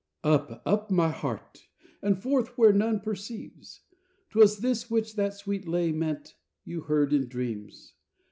III Up, up, my heart! and forth where none perceives! 'Twas this which that sweet lay meant You heard in dreams.